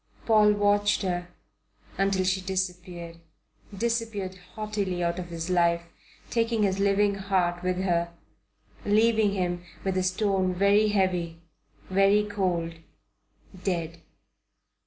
Paul watched her until she disappeared disappeared haughtily out of his life, taking his living heart with her, leaving him with a stone very heavy, very cold, dead.